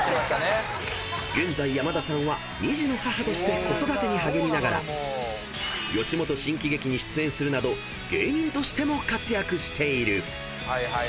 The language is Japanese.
⁉［現在山田さんは２児の母として子育てに励みながら吉本新喜劇に出演するなど芸人としても活躍している］